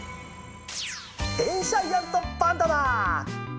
デンシャイアントパンダだ！